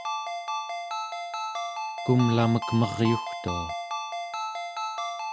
kumlamek meryugtua